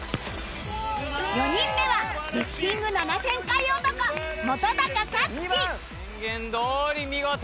４人目はリフティング７０００回男本克樹宣言どおり見事！